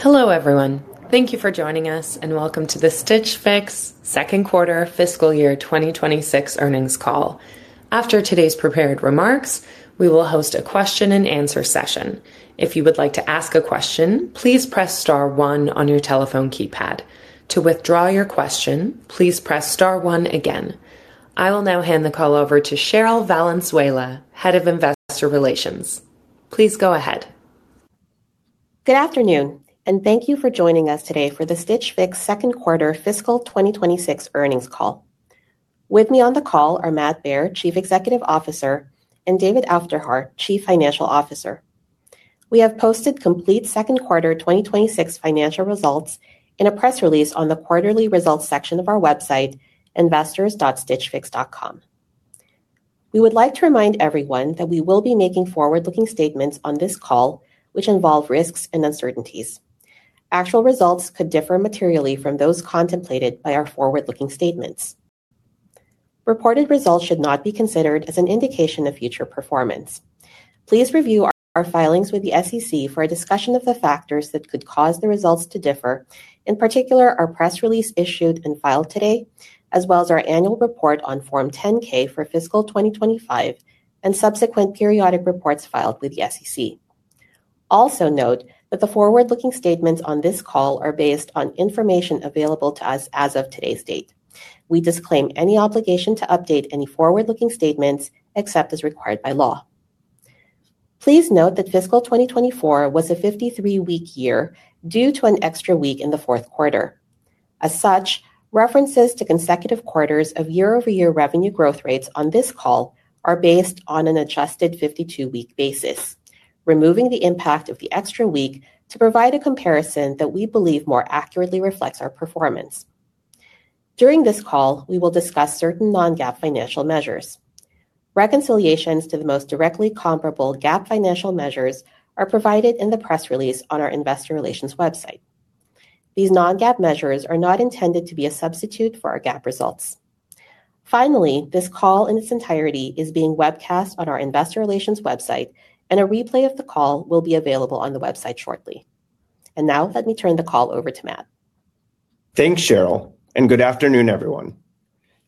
Hello, everyone. Thank you for joining us, and welcome to the Stitch Fix second quarter fiscal year 2026 earnings call. After today's prepared remarks, we will host a question-and-answer session. If you would like to ask a question, please press star one on your telephone keypad. To withdraw your question, please press star one again. I will now hand the call over to Cherryl Valenzuela, Head of Investor Relations. Please go ahead. Good afternoon, and thank you for joining us today for the Stitch Fix second quarter fiscal 2026 earnings call. With me on the call are Matt Baer, Chief Executive Officer, and David Aufderhaar, Chief Financial Officer. We have posted complete second quarter 2026 financial results in a press release on the quarterly results section of our website, investors.stitchfix.com. We would like to remind everyone that we will be making forward-looking statements on this call which involve risks and uncertainties. Actual results could differ materially from those contemplated by our forward-looking statements. Reported results should not be considered as an indication of future performance. Please review our filings with the SEC for a discussion of the factors that could cause the results to differ, in particular, our press release issued and filed today, as well as our annual report on Form 10-K for fiscal 2025 and subsequent periodic reports filed with the SEC. Also note that the forward-looking statements on this call are based on information available to us as of today's date. We disclaim any obligation to update any forward-looking statements except as required by law. Please note that fiscal 2024 was a 53-week year due to an extra week in the fourth quarter. As such, references to consecutive quarters of year-over-year revenue growth rates on this call are based on an adjusted 52-week basis, removing the impact of the extra week to provide a comparison that we believe more accurately reflects our performance. During this call, we will discuss certain non-GAAP financial measures. Reconciliations to the most directly comparable GAAP financial measures are provided in the press release on our investor relations website. These non-GAAP measures are not intended to be a substitute for our GAAP results. Finally, this call in its entirety is being webcast on our investor relations website, and a replay of the call will be available on the website shortly. Now let me turn the call over to Matt. Thanks, Cherryl, and good afternoon, everyone.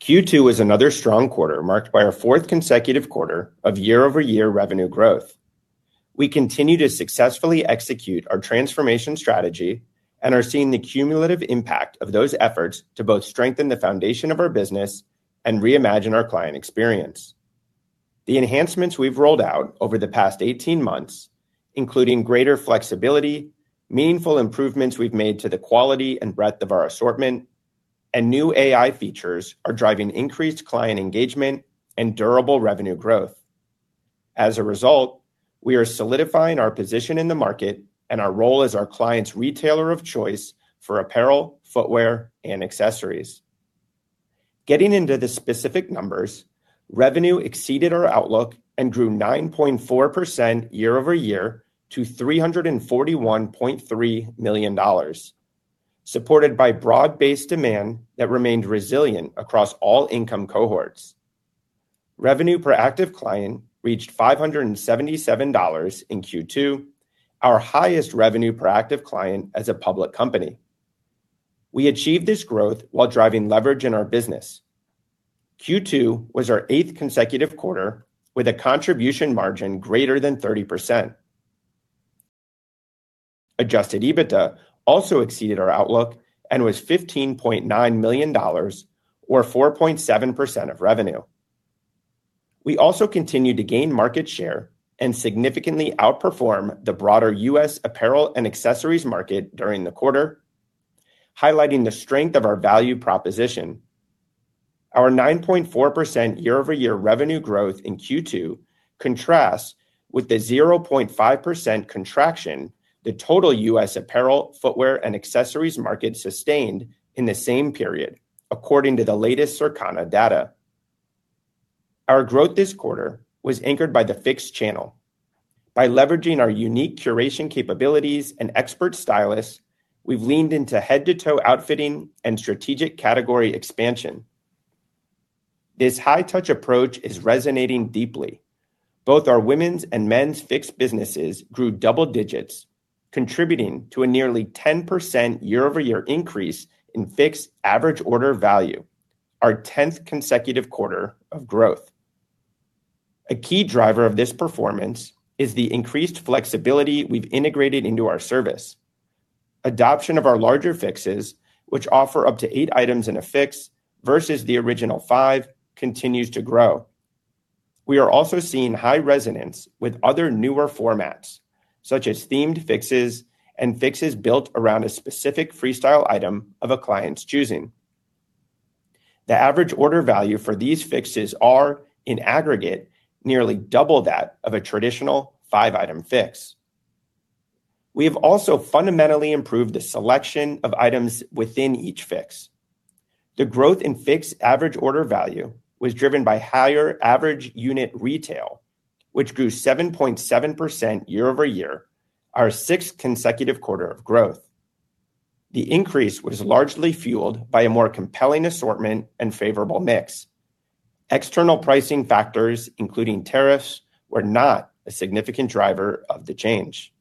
Q2 was another strong quarter, marked by our fourth consecutive quarter of year-over-year revenue growth. We continue to successfully execute our transformation strategy and are seeing the cumulative impact of those efforts to both strengthen the foundation of our business and reimagine our client experience. The enhancements we've rolled out over the past 18 months, including greater flexibility, meaningful improvements we've made to the quality and breadth of our assortment, and new AI features are driving increased client engagement and durable revenue growth. As a result, we are solidifying our position in the market and our role as our clients' retailer of choice for apparel, footwear, and accessories. Getting into the specific numbers, revenue exceeded our outlook and grew 9.4% year-over-year to $341.3 million, supported by broad-based demand that remained resilient across all income cohorts. Revenue per active client reached $577 in Q2, our highest revenue per active client as a public company. We achieved this growth while driving leverage in our business. Q2 was our eighth consecutive quarter with a contribution margin greater than 30%. Adjusted EBITDA also exceeded our outlook and was $15.9 million or 4.7% of revenue. We also continued to gain market share and significantly outperform the broader U.S. apparel and accessories market during the quarter, highlighting the strength of our value proposition. Our 9.4% year-over-year revenue growth in Q2 contrasts with the 0.5% contraction the total U.S. apparel, footwear, and accessories market sustained in the same period, according to the latest Circana data. Our growth this quarter was anchored by the Fix channel. By leveraging our unique curation capabilities and expert stylists, we've leaned into head-to-toe outfitting and strategic category expansion. This high touch approach is resonating deeply. Both our women's and men's Fix businesses grew double digits, contributing to a nearly 10% year-over-year increase in Fix average order value, our 10th consecutive quarter of growth. A key driver of this performance is the increased flexibility we've integrated into our service. Adoption of our larger Fixes, which offer up to eight items in a Fix versus the original five, continues to grow. We are also seeing high resonance with other newer formats, such as themed Fixes and Fixes built around a specific Freestyle item of a client's choosing. The average order value for these Fixes are, in aggregate, nearly double that of a traditional five-item Fix. We have also fundamentally improved the selection of items within each Fix. The growth in Fix average order value was driven by higher average unit retail, which grew 7.7% year-over-year, our sixth consecutive quarter of growth. The increase was largely fueled by a more compelling assortment and favorable mix. External pricing factors, including tariffs, were not a significant driver of the change.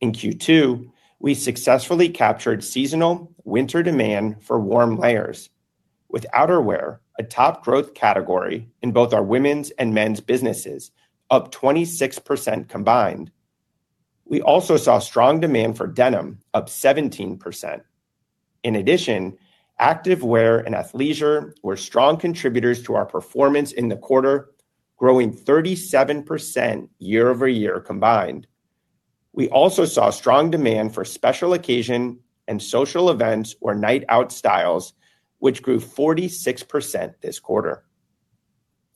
In Q2, we successfully captured seasonal winter demand for warm layers with outerwear, a top growth category in both our women's and men's businesses, up 26% combined. We also saw strong demand for denim, up 17%. In addition, activewear and athleisure were strong contributors to our performance in the quarter, growing 37% year-over-year combined. We also saw strong demand for special occasion and social events or night out styles, which grew 46% this quarter.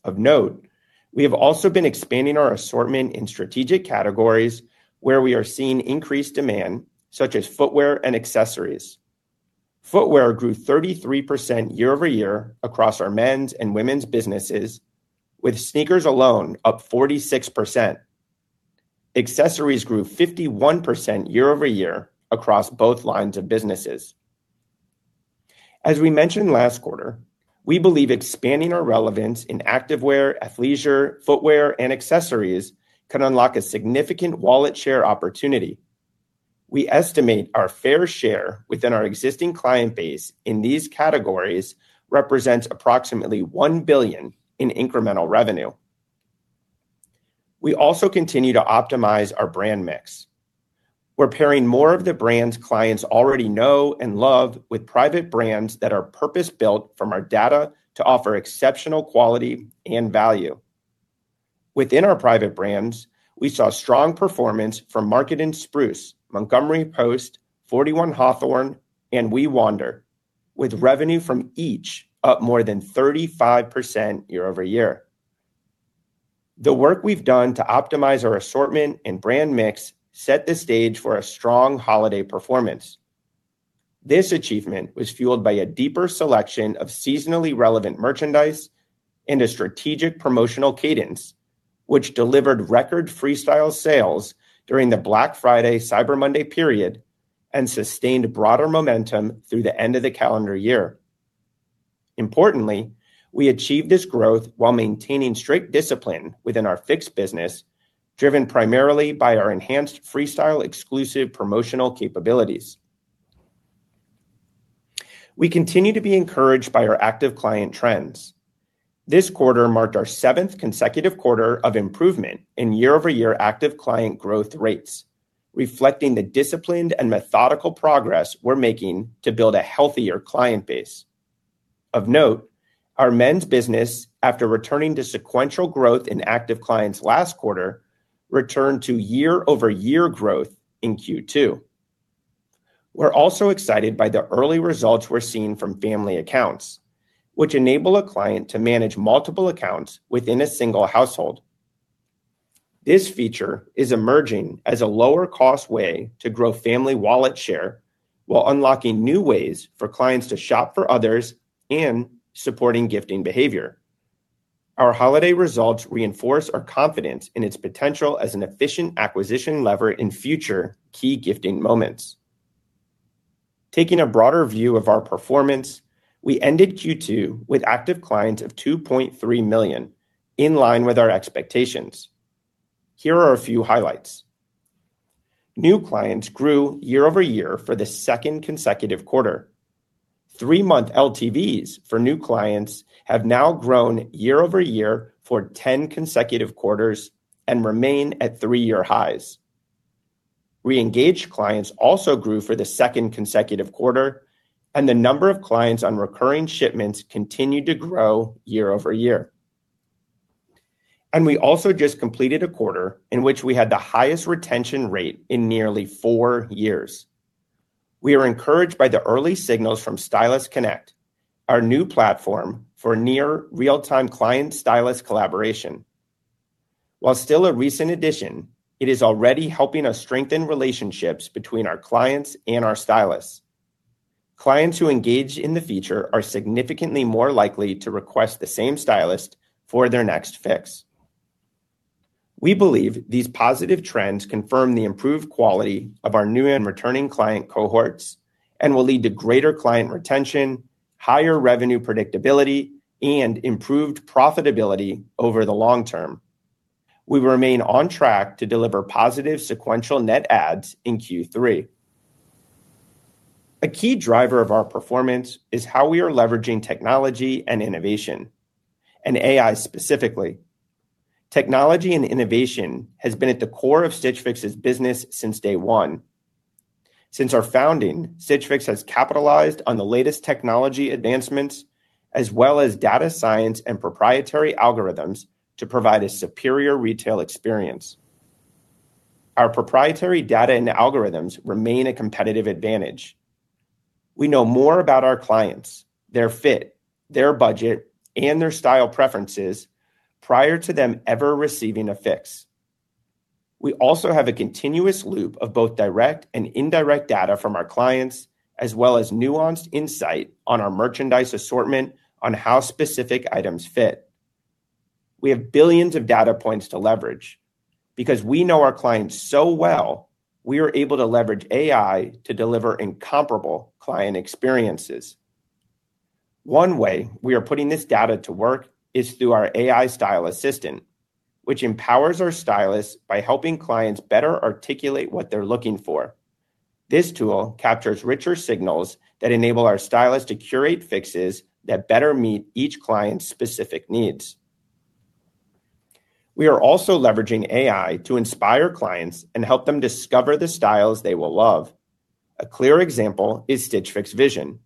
Of note, we have also been expanding our assortment in strategic categories where we are seeing increased demand, such as footwear and accessories. Footwear grew 33% year-over-year across our men's and women's businesses, with sneakers alone up 46%. Accessories grew 51% year-over-year across both lines of businesses. As we mentioned last quarter, we believe expanding our relevance in activewear, athleisure, footwear, and accessories can unlock a significant wallet share opportunity. We estimate our fair share within our existing client base in these categories represents approximately $1 billion in incremental revenue. We also continue to optimize our brand mix. We're pairing more of the brands clients already know and love with private brands that are purpose-built from our data to offer exceptional quality and value. Within our private brands, we saw strong performance from Market & Spruce, Montgomery Post, 41 Hawthorn, and WeWander, with revenue from each up more than 35% year-over-year. The work we've done to optimize our assortment and brand mix set the stage for a strong holiday performance. This achievement was fueled by a deeper selection of seasonally relevant merchandise and a strategic promotional cadence, which delivered record Freestyle sales during the Black Friday/Cyber Monday period and sustained broader momentum through the end of the calendar year. Importantly, we achieved this growth while maintaining strict discipline within our Fix Business, driven primarily by our enhanced Freestyle exclusive promotional capabilities. We continue to be encouraged by our active client trends. This quarter marked our seventh consecutive quarter of improvement in year-over-year active client growth rates, reflecting the disciplined and methodical progress we're making to build a healthier client base. Of note, our men's business, after returning to sequential growth in active clients last quarter, returned to year-over-year growth in Q2. We're also excited by the early results we're seeing from family accounts, which enable a client to manage multiple accounts within a single household. This feature is emerging as a lower cost way to grow family wallet share while unlocking new ways for clients to shop for others and supporting gifting behavior. Our holiday results reinforce our confidence in its potential as an efficient acquisition lever in future key gifting moments. Taking a broader view of our performance, we ended Q2 with active clients of 2.3 million, in line with our expectations. Here are a few highlights. New clients grew year over year for the second consecutive quarter. Three-month LTVs for new clients have now grown year over year for 10 consecutive quarters and remain at three-year highs. Re-engaged clients also grew for the second consecutive quarter, and the number of clients on recurring shipments continued to grow year over year. We also just completed a quarter in which we had the highest retention rate in nearly four years. We are encouraged by the early signals from Stylist Connect, our new platform for near real-time client stylist collaboration. While still a recent addition, it is already helping us strengthen relationships between our clients and our stylists. Clients who engage in the feature are significantly more likely to request the same stylist for their next Fix. We believe these positive trends confirm the improved quality of our new and returning client cohorts and will lead to greater client retention, higher revenue predictability, and improved profitability over the long term. We remain on track to deliver positive sequential net adds in Q3. A key driver of our performance is how we are leveraging technology and innovation, and AI specifically. Technology and innovation has been at the core of Stitch Fix's business since day one. Since our founding, Stitch Fix has capitalized on the latest technology advancements as well as data science and proprietary algorithms to provide a superior retail experience. Our proprietary data and algorithms remain a competitive advantage. We know more about our clients, their fit, their budget, and their style preferences prior to them ever receiving a Fix. We also have a continuous loop of both direct and indirect data from our clients, as well as nuanced insight on our merchandise assortment on how specific items fit. We have billions of data points to leverage. Because we know our clients so well, we are able to leverage AI to deliver incomparable client experiences. One way we are putting this data to work is through our AI Style Assistant, which empowers our stylists by helping clients better articulate what they're looking for. This tool captures richer signals that enable our stylists to curate fixes that better meet each client's specific needs. We are also leveraging AI to inspire clients and help them discover the styles they will love. A clear example is Stitch Fix Vision,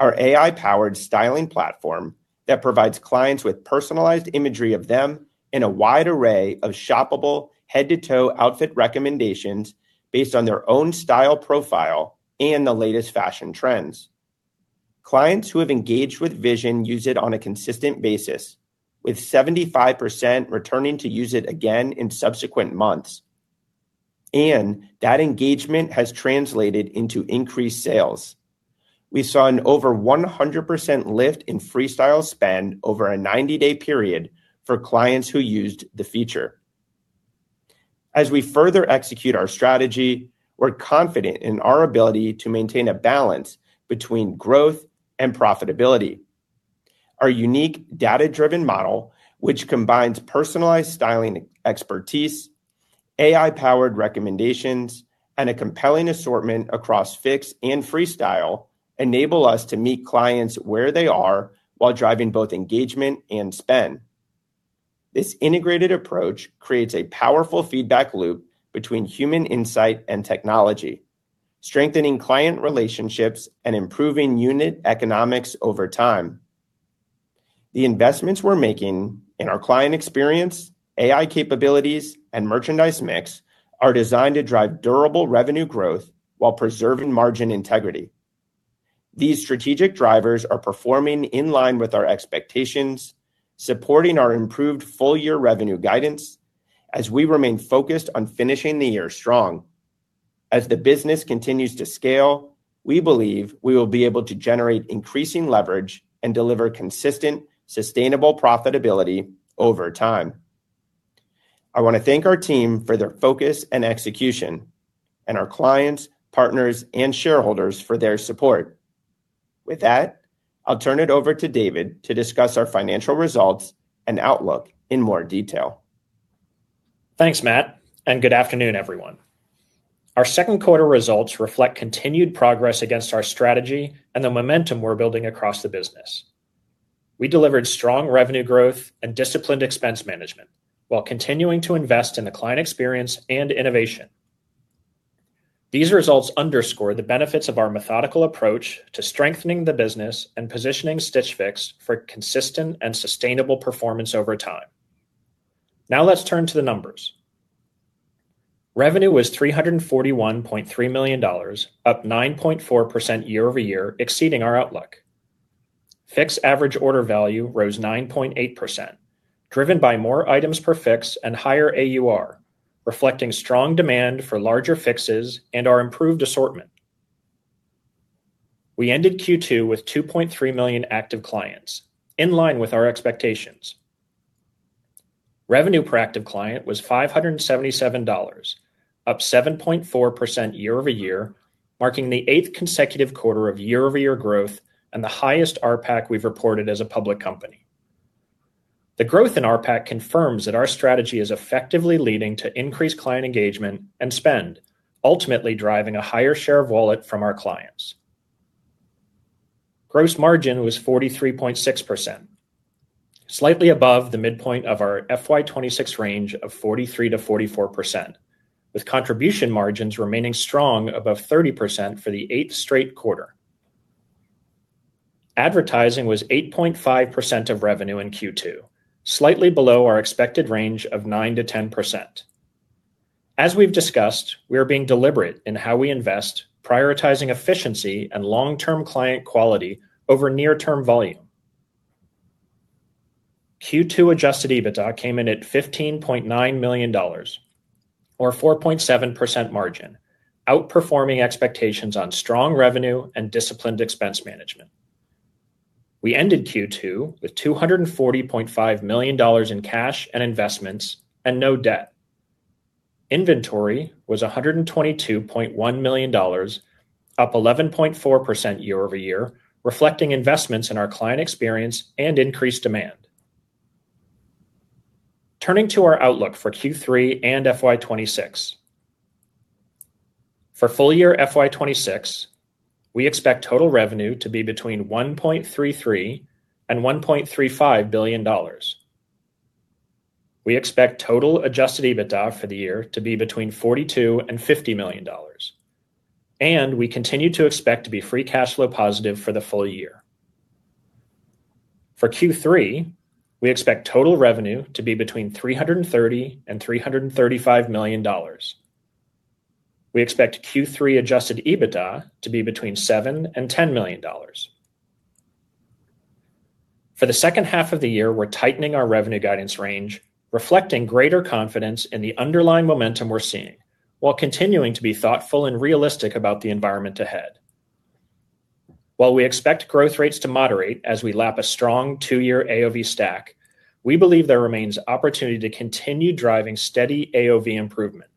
our AI-powered styling platform that provides clients with personalized imagery of them in a wide array of shoppable head-to-toe outfit recommendations based on their own style profile and the latest fashion trends. Clients who have engaged with Vision use it on a consistent basis, with 75% returning to use it again in subsequent months. That engagement has translated into increased sales. We saw an over 100% lift in Freestyle spend over a 90-day period for clients who used the feature. As we further execute our strategy, we're confident in our ability to maintain a balance between growth and profitability. Our unique data-driven model, which combines personalized styling expertise, AI-powered recommendations, and a compelling assortment across Fix and Freestyle, enable us to meet clients where they are while driving both engagement and spend. This integrated approach creates a powerful feedback loop between human insight and technology, strengthening client relationships and improving unit economics over time. The investments we're making in our client experience, AI capabilities, and merchandise mix are designed to drive durable revenue growth while preserving margin integrity. These strategic drivers are performing in line with our expectations, supporting our improved full-year revenue guidance as we remain focused on finishing the year strong. As the business continues to scale, we believe we will be able to generate increasing leverage and deliver consistent, sustainable profitability over time. I want to thank our team for their focus and execution, and our clients, partners, and shareholders for their support. With that, I'll turn it over to David to discuss our financial results and outlook in more detail. Thanks, Matt, and good afternoon, everyone. Our second quarter results reflect continued progress against our strategy and the momentum we're building across the business. We delivered strong revenue growth and disciplined expense management while continuing to invest in the client experience and innovation. These results underscore the benefits of our methodical approach to strengthening the business and positioning Stitch Fix for consistent and sustainable performance over time. Now let's turn to the numbers. Revenue was $341.3 million, up 9.4% year-over-year, exceeding our outlook. Fix average order value rose 9.8%, driven by more items per Fix and higher AUR, reflecting strong demand for larger Fixes and our improved assortment. We ended Q2 with 2.3 million active clients, in line with our expectations. Revenue per active client was $577, up 7.4% year-over-year, marking the eighth consecutive quarter of year-over-year growth and the highest RPAC we've reported as a public company. The growth in RPAC confirms that our strategy is effectively leading to increased client engagement and spend, ultimately driving a higher share of wallet from our clients. Gross margin was 43.6%, slightly above the midpoint of our FY 2026 range of 43%-44%, with contribution margins remaining strong above 30% for the eighth straight quarter. Advertising was 8.5% of revenue in Q2, slightly below our expected range of 9%-10%. As we've discussed, we are being deliberate in how we invest, prioritizing efficiency and long-term client quality over near-term volume. Q2 adjusted EBITDA came in at $15.9 million or 4.7% margin, outperforming expectations on strong revenue and disciplined expense management. We ended Q2 with $240.5 million in cash and investments and no debt. Inventory was $122.1 million, up 11.4% year-over-year, reflecting investments in our client experience and increased demand. Turning to our outlook for Q3 and FY 2026. For full year FY2026, we expect total revenue to be between $1.33 billion and $1.35 billion. We expect total adjusted EBITDA for the year to be between $42 million and $50 million, and we continue to expect to be free cash flow positive for the full year. For Q3, we expect total revenue to be between $330 million and $335 million. We expect Q3 adjusted EBITDA to be between $7 million and $10 million. For the second half of the year, we're tightening our revenue guidance range, reflecting greater confidence in the underlying momentum we're seeing while continuing to be thoughtful and realistic about the environment ahead. While we expect growth rates to moderate as we lap a strong two-year AOV stack, we believe there remains opportunity to continue driving steady AOV improvement.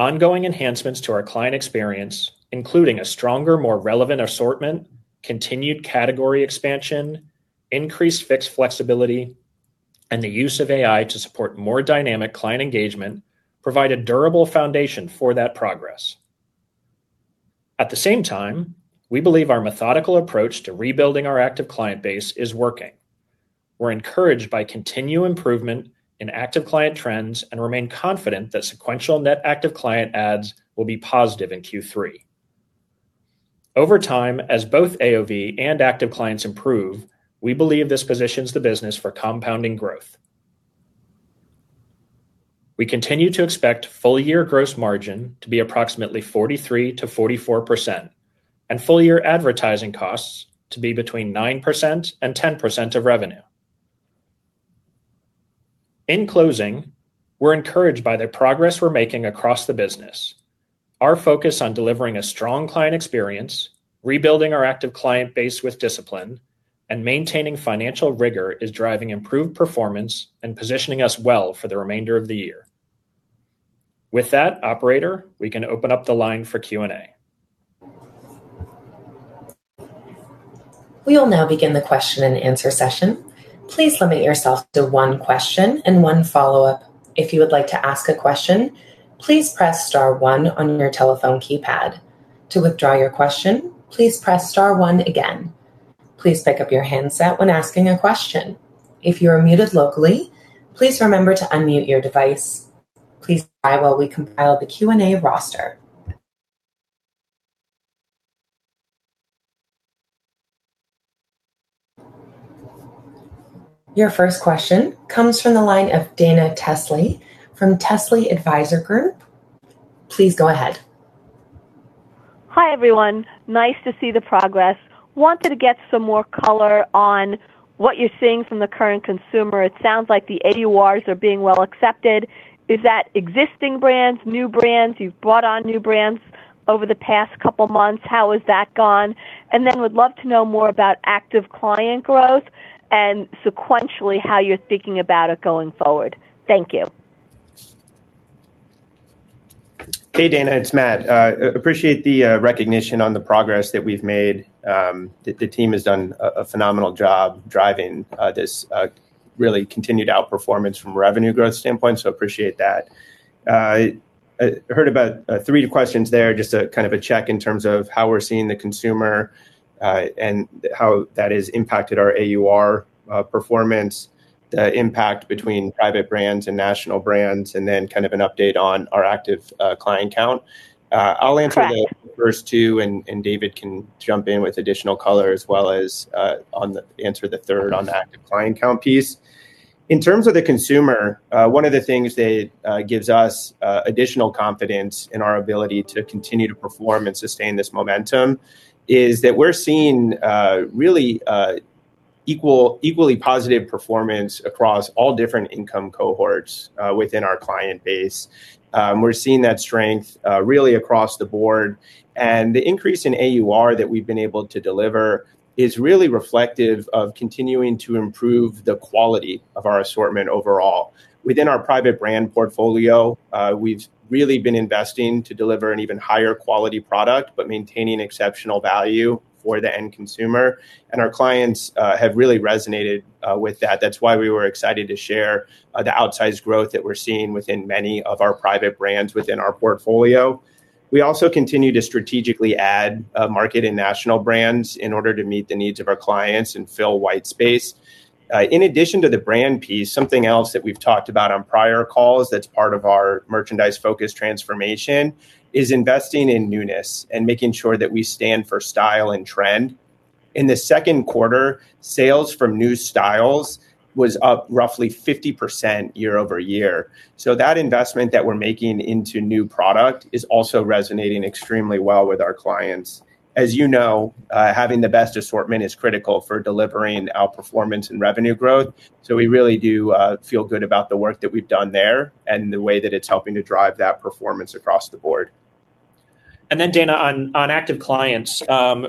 Ongoing enhancements to our client experience, including a stronger, more relevant assortment, continued category expansion, increased fixed flexibility, and the use of AI to support more dynamic client engagement, provide a durable foundation for that progress. At the same time, we believe our methodical approach to rebuilding our active client base is working. We're encouraged by continued improvement in active client trends and remain confident that sequential net active client adds will be positive in Q3. Over time, as both AOV and active clients improve, we believe this positions the business for compounding growth. We continue to expect full-year gross margin to be approximately 43%-44% and full-year advertising costs to be between 9% and 10% of revenue. In closing, we're encouraged by the progress we're making across the business. Our focus on delivering a strong client experience, rebuilding our active client base with discipline, and maintaining financial rigor is driving improved performance and positioning us well for the remainder of the year. With that, operator, we can open up the line for Q&A. We will now begin the question-and-answer session. Please limit yourself to one question and one follow-up. If you would like to ask a question, please press star one on your telephone keypad. To withdraw your question, please press star one again. Please pick up your handset when asking a question. If you are muted locally, please remember to unmute your device. Please stand by while we compile the Q&A roster. Your first question comes from the line of Dana Telsey from Telsey Advisory Group. Please go ahead. Hi, everyone. Nice to see the progress. Wanted to get some more color on what you're seeing from the current consumer. It sounds like the AURs are being well accepted. Is that existing brands, new brands? You've brought on new brands over the past couple months. How has that gone? Would love to know more about active client growth and sequentially how you're thinking about it going forward. Thank you. Hey, Dana, it's Matt. Appreciate the recognition on the progress that we've made. The team has done a phenomenal job driving this really continued outperformance from a revenue growth standpoint, so appreciate that. I heard about three questions there, just a kind of a check in terms of how we're seeing the consumer and how that has impacted our AUR performance, the impact between private brands and national brands, and then kind of an update on our active client count. I'll answer the first two, and David can jump in with additional color as well as answer the third on the active client count piece. In terms of the consumer, one of the things that gives us additional confidence in our ability to continue to perform and sustain this momentum is that we're seeing really equally positive performance across all different income cohorts within our client base. We're seeing that strength really across the board. The increase in AUR that we've been able to deliver is really reflective of continuing to improve the quality of our assortment overall. Within our private brand portfolio, we've really been investing to deliver an even higher quality product but maintaining exceptional value for the end consumer, and our clients have really resonated with that. That's why we were excited to share the outsized growth that we're seeing within many of our private brands within our portfolio. We also continue to strategically add market and national brands in order to meet the needs of our clients and fill white space. In addition to the brand piece, something else that we've talked about on prior calls that's part of our merchandise-focused transformation is investing in newness and making sure that we stand for style and trend. In the second quarter, sales from new styles was up roughly 50% year-over-year. That investment that we're making into new product is also resonating extremely well with our clients. As you know, having the best assortment is critical for delivering outperformance and revenue growth. We really do feel good about the work that we've done there and the way that it's helping to drive that performance across the board. Dana, on active clients,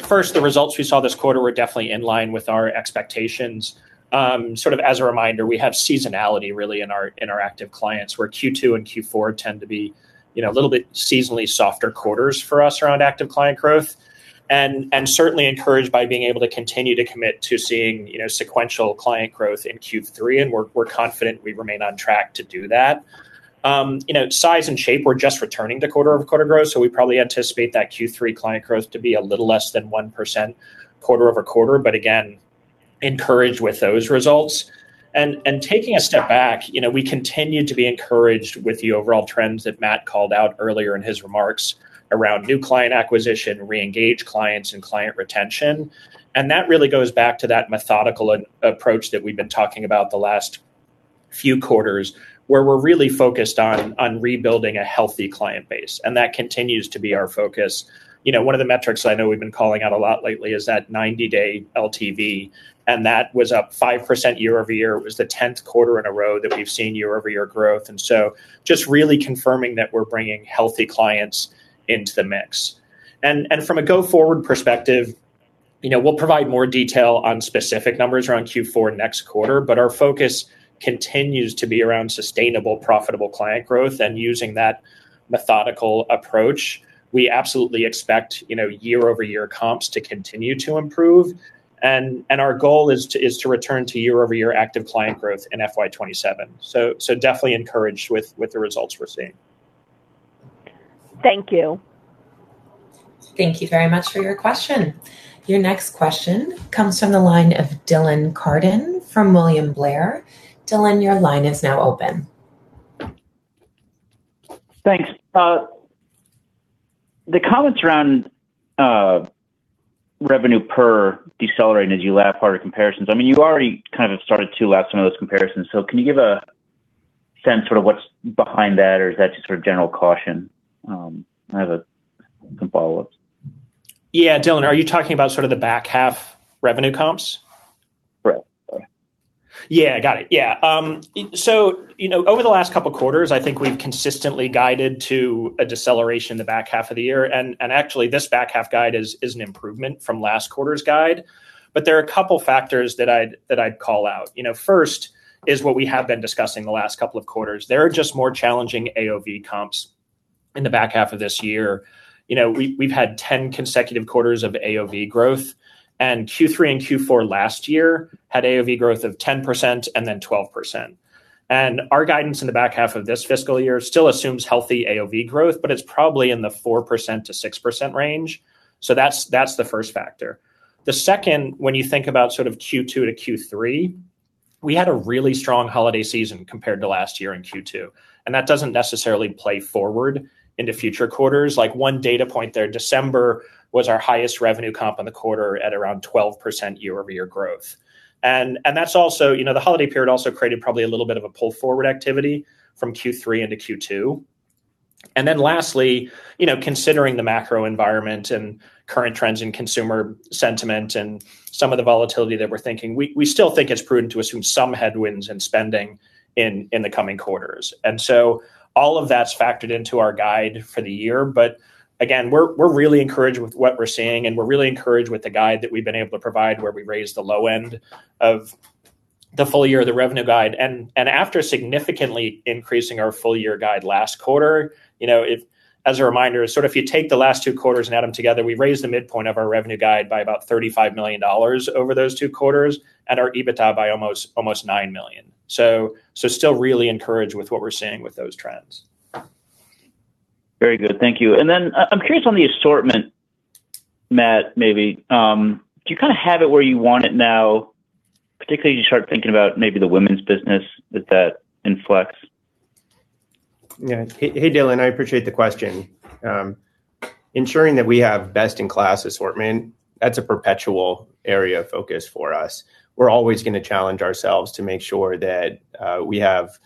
first, the results we saw this quarter were definitely in line with our expectations. Sort of as a reminder, we have seasonality really in our active clients, where Q2 and Q4 tend to be, you know, a little bit seasonally softer quarters for us around active client growth. And certainly encouraged by being able to continue to commit to seeing, you know, sequential client growth in Q3, and we're confident we remain on track to do that. You know, size and shape, we're just returning to quarter-over-quarter growth, so we probably anticipate that Q3 client growth to be a little less than 1% quarter over quarter, but again, encouraged with those results. Taking a step back, you know, we continue to be encouraged with the overall trends that Matt called out earlier in his remarks around new client acquisition, re-engaged clients, and client retention. That really goes back to that methodical approach that we've been talking about the last few quarters, where we're really focused on rebuilding a healthy client base, and that continues to be our focus. You know, one of the metrics I know we've been calling out a lot lately is that 90-day LTV, and that was up 5% year-over-year. It was the 10th quarter in a row that we've seen year-over-year growth. Just really confirming that we're bringing healthy clients into the mix. From a go-forward perspective You know, we'll provide more detail on specific numbers around Q4 next quarter, but our focus continues to be around sustainable, profitable client growth, and using that methodical approach. We absolutely expect, you know, year-over-year comps to continue to improve. Our goal is to return to year-over-year active client growth in FY 2027. Definitely encouraged with the results we're seeing. Thank you. Thank you very much for your question. Your next question comes from the line of Dylan Carden from William Blair. Dylan, your line is now open. Thanks. The comments around revenue per decelerating as you lap harder comparisons. I mean, you already kind of started to lap some of those comparisons, so can you give a sense sort of what's behind that, or is that just sort of general caution? I have a couple follow-ups. Yeah. Dylan, are you talking about sort of the back half revenue comps? Right. Yeah, got it. Yeah. So, you know, over the last couple quarters, I think we've consistently guided to a deceleration in the back half of the year, and actually this back half guide is an improvement from last quarter's guide. There are a couple factors that I'd call out. You know, first is what we have been discussing the last couple of quarters. There are just more challenging AOV comps in the back half of this year. You know, we've had 10 consecutive quarters of AOV growth, and Q3 and Q4 last year had AOV growth of 10% and then 12%. Our guidance in the back half of this fiscal year still assumes healthy AOV growth, but it's probably in the 4%-6% range. That's the first factor. The second, when you think about sort of Q2 to Q3, we had a really strong holiday season compared to last year in Q2, and that doesn't necessarily play forward into future quarters. Like one data point there, December was our highest revenue comp in the quarter at around 12% year-over-year growth. And that's also, you know, the holiday period also created probably a little bit of a pull forward activity from Q3 into Q2. Then lastly, you know, considering the macro environment and current trends in consumer sentiment and some of the volatility that we're thinking, we still think it's prudent to assume some headwinds in spending in the coming quarters. All of that's factored into our guide for the year. Again, we're really encouraged with what we're seeing, and we're really encouraged with the guide that we've been able to provide, where we raised the low end of the full year of the revenue guide. After significantly increasing our full year guide last quarter, you know, if, as a reminder, sort of if you take the last two quarters and add them together, we've raised the midpoint of our revenue guide by about $35 million over those two quarters, and our EBITDA by almost $9 million. Still really encouraged with what we're seeing with those trends. Very good. Thank you. I'm curious on the assortment, Matt, maybe. Do you kind of have it where you want it now, particularly as you start thinking about maybe the women's business that inflects? Yeah. Hey, hey, Dylan. I appreciate the question. Ensuring that we have best in class assortment, that's a perpetual area of focus for us. We're always gonna challenge ourselves to make sure that we have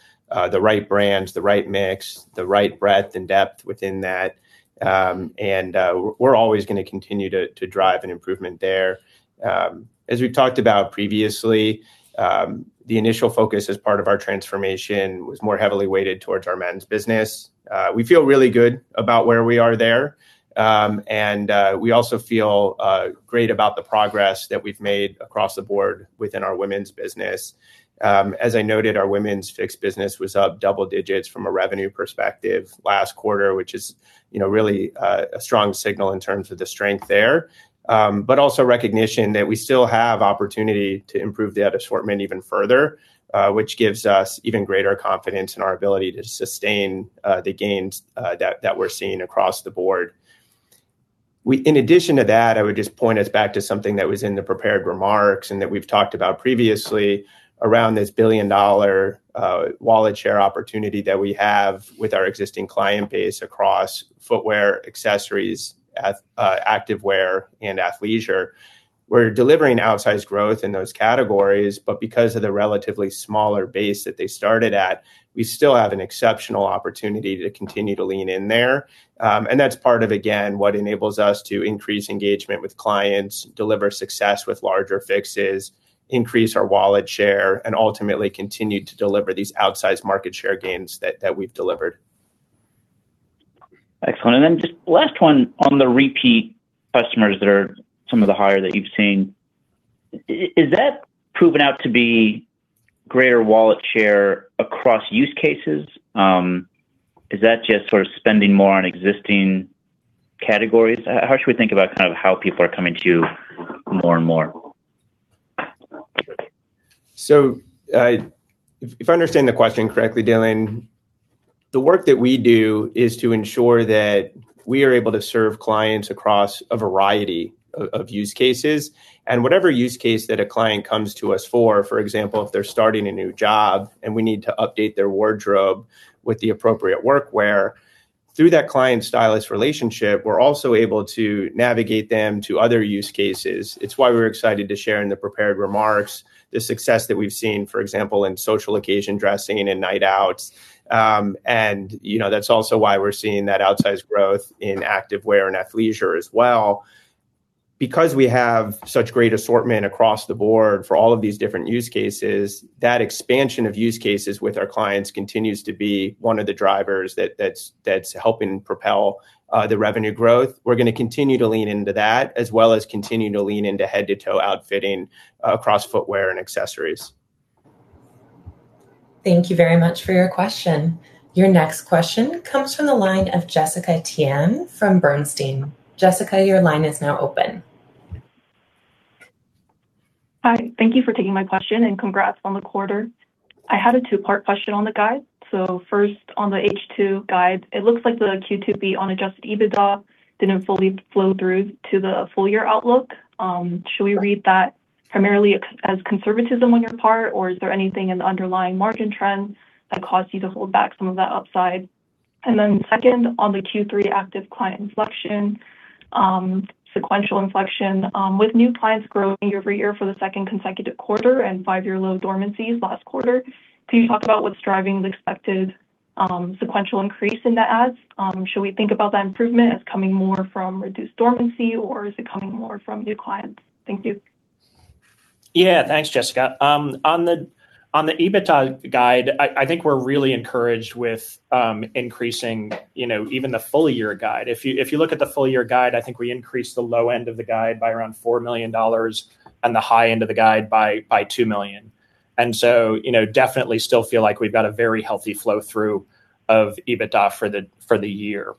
the right brands, the right mix, the right breadth and depth within that, and we're always gonna continue to drive an improvement there. As we've talked about previously, the initial focus as part of our transformation was more heavily weighted towards our men's business. We feel really good about where we are there, and we also feel great about the progress that we've made across the board within our women's business. As I noted, our women's Fix business was up double digits from a revenue perspective last quarter, which is, you know, really a strong signal in terms of the strength there. But also recognition that we still have opportunity to improve that assortment even further, which gives us even greater confidence in our ability to sustain the gains that we're seeing across the board. In addition to that, I would just point us back to something that was in the prepared remarks and that we've talked about previously around this billion-dollar wallet share opportunity that we have with our existing client base across footwear, accessories, activewear, and athleisure. We're delivering outsized growth in those categories, but because of the relatively smaller base that they started at, we still have an exceptional opportunity to continue to lean in there. That's part of, again, what enables us to increase engagement with clients, deliver success with larger fixes, increase our wallet share, and ultimately continue to deliver these outsized market share gains that we've delivered. Excellent. Just last one on the repeat customers that are some of the higher that you've seen. Is that proven out to be greater wallet share across use cases? Is that just sort of spending more on existing categories? How should we think about kind of how people are coming to you more and more? If I understand the question correctly, Dylan, the work that we do is to ensure that we are able to serve clients across a variety of use cases, and whatever use case that a client comes to us for example, if they're starting a new job and we need to update their wardrobe with the appropriate workwear, through that client stylist relationship, we're also able to navigate them to other use cases. It's why we're excited to share in the prepared remarks the success that we've seen, for example, in social occasion dressing and in nights out. And you know, that's also why we're seeing that outsized growth in activewear and athleisure as well. Because we have such great assortment across the board for all of these different use cases, that expansion of use cases with our clients continues to be one of the drivers that's helping propel the revenue growth. We're gonna continue to lean into that, as well as continue to lean into head-to-toe outfitting across footwear and accessories. Thank you very much for your question. Your next question comes from the line of Jessica Tian from Bernstein. Jessica, your line is now open. Hi. Thank you for taking my question, and congrats on the quarter. I had a two-part question on the guide. First on the H2 guide, it looks like the Q2 beat on adjusted EBITDA didn't fully flow through to the full year outlook. Should we read that primarily as conservatism on your part, or is there anything in the underlying margin trends that caused you to hold back some of that upside? Second, on the Q3 active client inflection, sequential inflection, with new clients growing year-over-year for the second consecutive quarter and five-year low dormancies last quarter, can you talk about what's driving the expected sequential increase in the adds? Should we think about that improvement as coming more from reduced dormancy, or is it coming more from new clients? Thank you. Yeah. Thanks, Jessica. On the EBITDA guide, I think we're really encouraged with increasing, you know, even the full year guide. If you look at the full year guide, I think we increased the low end of the guide by around $4 million and the high end of the guide by $2 million. You know, definitely still feel like we've got a very healthy flow through of EBITDA for the year.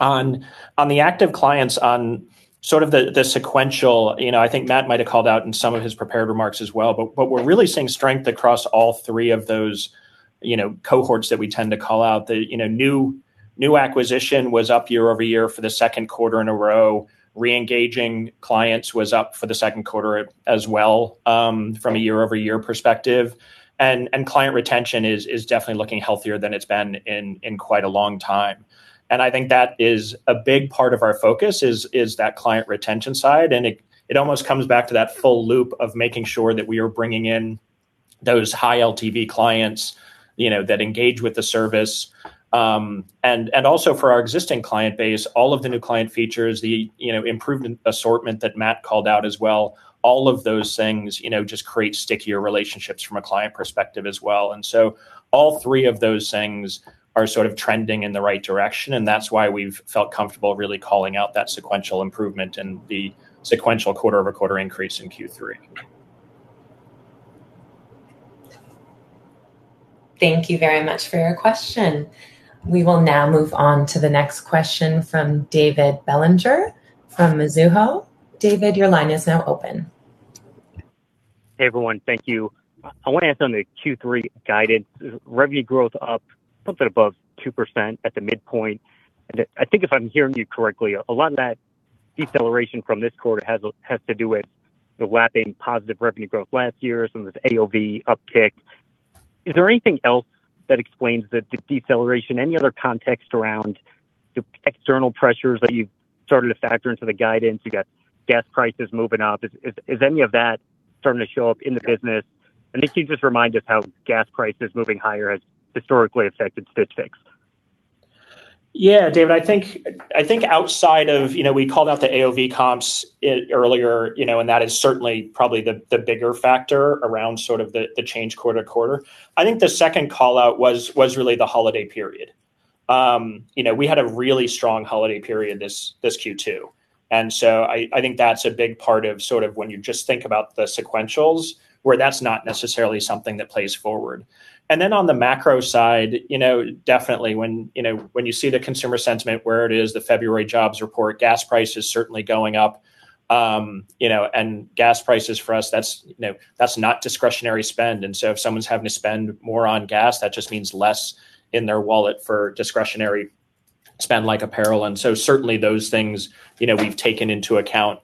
On the active clients on sort of the sequential, you know, I think Matt might have called out in some of his prepared remarks as well, but we're really seeing strength across all three of those, you know, cohorts that we tend to call out. You know, new acquisition was up year-over-year for the second quarter in a row. Re-engaging clients was up for the second quarter as well, from a year-over-year perspective. Client retention is definitely looking healthier than it's been in quite a long time. I think that is a big part of our focus is that client retention side, and it almost comes back to that full loop of making sure that we are bringing in those high LTV clients, you know, that engage with the service. Also for our existing client base, all of the new client features, the, you know, improvement assortment that Matt called out as well, all of those things, you know, just create stickier relationships from a client perspective as well. All three of those things are sort of trending in the right direction, and that's why we've felt comfortable really calling out that sequential improvement and the sequential quarter-over-quarter increase in Q3. Thank you very much for your question. We will now move on to the next question from David Bellinger from Mizuho. David, your line is now open. Hey, everyone. Thank you. I want to ask on the Q3 guidance, revenue growth up something above 2% at the midpoint. I think if I'm hearing you correctly, a lot of that deceleration from this quarter has to do with the lapping positive revenue growth last year, some of the AOV uptick. Is there anything else that explains the deceleration? Any other context around the external pressures that you've started to factor into the guidance? You got gas prices moving up. Is any of that starting to show up in the business? Can you just remind us how gas prices moving higher has historically affected Stitch Fix? Yeah, David. I think outside of, you know, we called out the AOV comps earlier, you know, and that is certainly probably the bigger factor around sort of the change quarter to quarter. I think the second call-out was really the holiday period. You know, we had a really strong holiday period this Q2, and so I think that's a big part of sort of when you just think about the sequentials, where that's not necessarily something that plays forward. On the macro side, you know, definitely when you know when you see the consumer sentiment, where it is, the February jobs report, gas prices certainly going up, you know, and gas prices for us, that's, you know, that's not discretionary spend. If someone's having to spend more on gas, that just means less in their wallet for discretionary spend like apparel. Certainly those things, you know, we've taken into account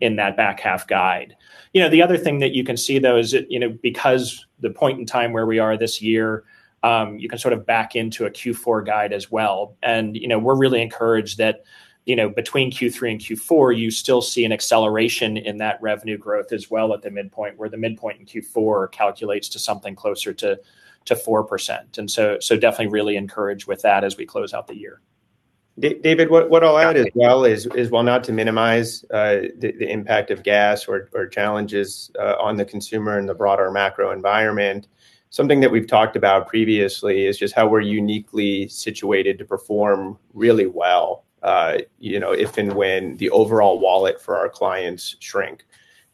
in that back half guide. You know, the other thing that you can see though is that, you know, because the point in time where we are this year, you can sort of back into a Q4 guide as well. You know, we're really encouraged that, you know, between Q3 and Q4, you still see an acceleration in that revenue growth as well at the midpoint, where the midpoint in Q4 calculates to something closer to 4%. So definitely really encouraged with that as we close out the year. David, what I'll add as well is while not to minimize the impact of gas or challenges on the consumer and the broader macro environment, something that we've talked about previously is just how we're uniquely situated to perform really well, you know, if and when the overall wallet for our clients shrink.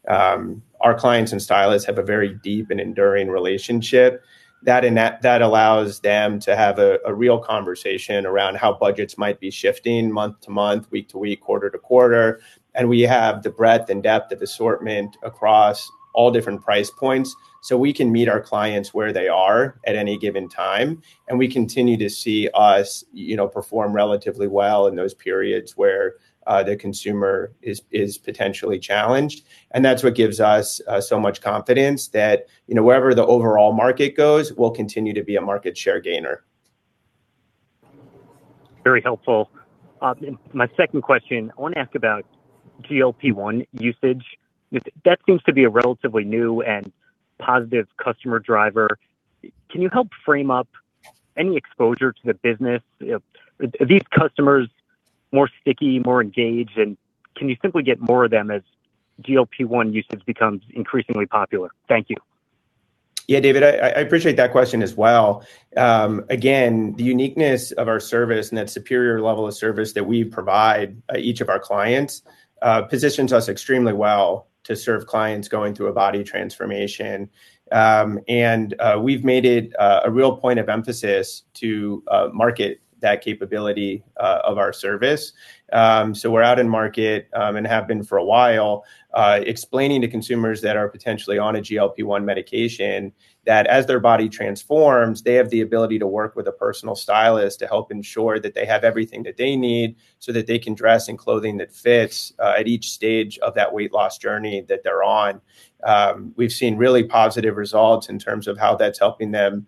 Our clients and stylists have a very deep and enduring relationship. That allows them to have a real conversation around how budgets might be shifting month to month, week to week, quarter to quarter. We have the breadth and depth of assortment across all different price points, so we can meet our clients where they are at any given time, and we continue to see us, you know, perform relatively well in those periods where the consumer is potentially challenged. That's what gives us so much confidence that, you know, wherever the overall market goes, we'll continue to be a market share gainer. Very helpful. My second question, I wanna ask about GLP-1 usage. That seems to be a relatively new and positive customer driver. Can you help frame up any exposure to the business? Are these customers more sticky, more engaged, and can you simply get more of them as GLP-1 usage becomes increasingly popular? Thank you. Yeah, David, I appreciate that question as well. Again, the uniqueness of our service and that superior level of service that we provide each of our clients positions us extremely well to serve clients going through a body transformation. We've made it a real point of emphasis to market that capability of our service. We're out in market and have been for a while, explaining to consumers that are potentially on a GLP-1 medication that as their body transforms, they have the ability to work with a personal stylist to help ensure that they have everything that they need so that they can dress in clothing that fits at each stage of that weight loss journey that they're on. We've seen really positive results in terms of how that's helping them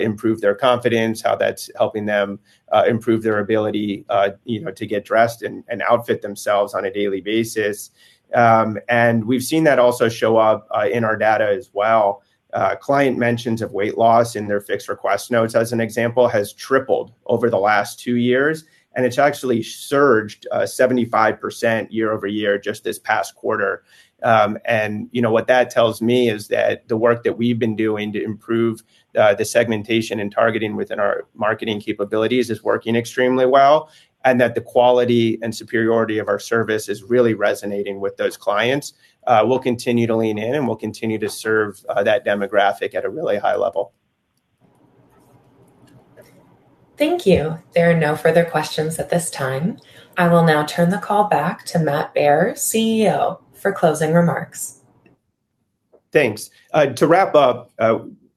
improve their confidence, how that's helping them improve their ability, you know, to get dressed and outfit themselves on a daily basis. We've seen that also show up in our data as well. A client mentions of weight loss in their Fix request notes, as an example, has tripled over the last two years, and it's actually surged 75% year-over-year just this past quarter. You know, what that tells me is that the work that we've been doing to improve the segmentation and targeting within our marketing capabilities is working extremely well, and that the quality and superiority of our service is really resonating with those clients. We'll continue to lean in, and we'll continue to serve that demographic at a really high level. Thank you. There are no further questions at this time. I will now turn the call back to Matt Baer, CEO, for closing remarks. Thanks. To wrap up,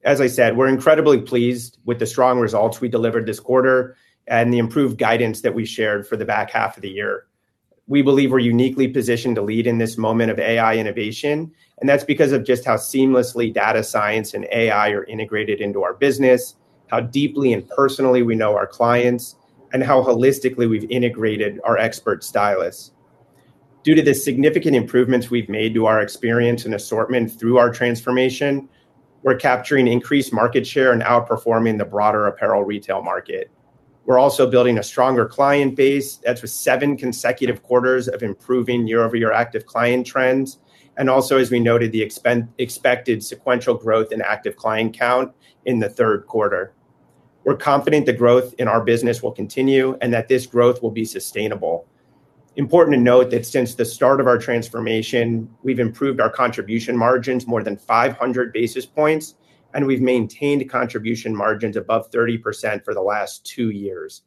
as I said, we're incredibly pleased with the strong results we delivered this quarter and the improved guidance that we shared for the back half of the year. We believe we're uniquely positioned to lead in this moment of AI innovation, and that's because of just how seamlessly data science and AI are integrated into our business, how deeply and personally we know our clients, and how holistically we've integrated our expert stylists. Due to the significant improvements we've made to our experience and assortment through our transformation, we're capturing increased market share and outperforming the broader apparel retail market. We're also building a stronger client base. That's with seven consecutive quarters of improving year-over-year active client trends and also, as we noted, the expected sequential growth in active client count in the third quarter. We're confident the growth in our business will continue and that this growth will be sustainable. Important to note that since the start of our transformation, we've improved our contribution margins more than 500 basis points, and we've maintained contribution margins above 30% for the last two years.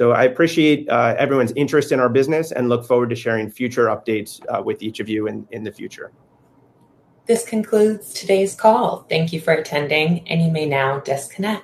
I appreciate everyone's interest in our business and look forward to sharing future updates with each of you in the future. This concludes today's call. Thank you for attending, and you may now disconnect.